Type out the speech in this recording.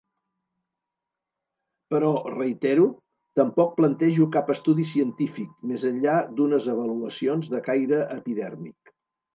Però, reitero, tampoc plantejo cap estudi científic, més enllà d'unes avaluacions de caire epidèrmic.